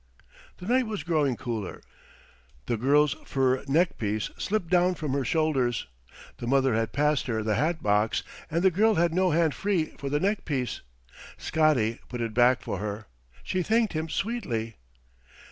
The night was growing cooler. The girl's fur neck piece slipped down from her shoulders. The mother had passed her the hat box, and the girl had no hand free for the neck piece. Scotty put it back for her. She thanked him sweetly.